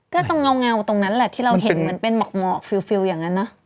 ก็ตรงเงาตรงนั้นแหละที่เราเห็นเหมือนเป็นหมอกฟิลอย่างนั้นนะ